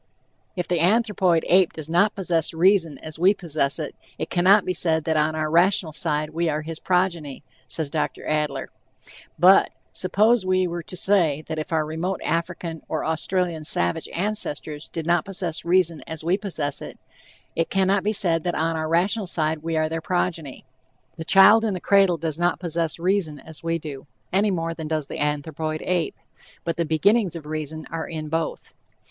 "If the anthropoid ape does not possess reason as we possess it, it cannot be said that on our rational side we are his progeny," says Dr. Adler: But, suppose we were to say that if our remote African or Australian savage ancestors did not possess reason as we possess it, "it cannot be said that on our rational side we are their progeny," The child in the cradle does not possess reason "as we do," any more than does the anthropoid ape, but the beginnings of reason are in both.